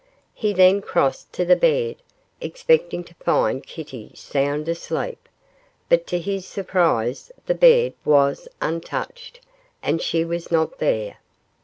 He then crossed to the bed, expecting to find Kitty sound asleep, but to his surprise the bed was untouched, and she was not there.